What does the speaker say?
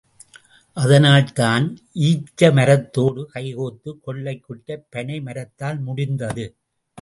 அதனால்தான், ஈச்ச மரத்தோடு கைகோத்துக் கொள்ளக் குட்டைப் பனை மரத்தால் முடிந்தது.